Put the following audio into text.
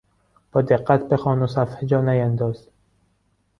با دقت بخوان و صفحه جا نیانداز.